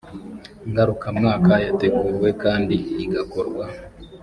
ngarukamwaka yateguwe kandi igakorwa